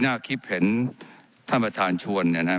ไม่ได้เป็นประธานคณะกรุงตรี